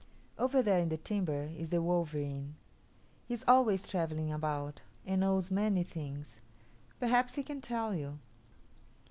Over there in the timber is the wolverene. He is always travelling about, and knows many things. Perhaps he can tell you."